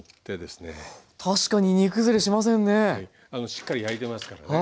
しっかり焼いてますからね。